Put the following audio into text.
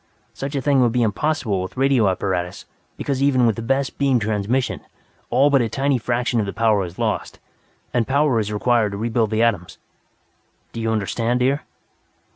Such a thing would be impossible with radio apparatus because even with the best beam transmission, all but a tiny fraction of the power is lost, and power is required to rebuild the atoms. Do you understand, dear?"